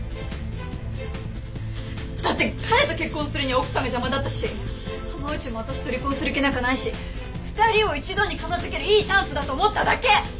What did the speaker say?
だって彼と結婚するには奥さんが邪魔だったし浜内も私と離婚する気なんかないし２人を一度に片付けるいいチャンスだと思っただけ！